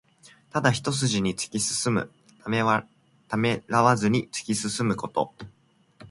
ただ一すじに突き進む。ためらわずに突き進むこと。